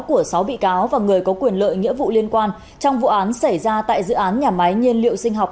của sáu bị cáo và người có quyền lợi nghĩa vụ liên quan trong vụ án xảy ra tại dự án nhà máy nhiên liệu sinh học